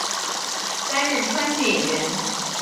担任川剧演员。